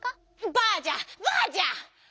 「ばあじゃばあじゃ！」。